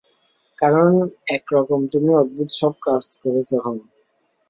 কারণ একরকম তুমি অদ্ভুত সব কাজ করেছো হম।